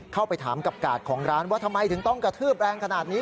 เข้าไปถามกับกาดของร้านว่าทำไมถึงต้องกระทืบแรงขนาดนี้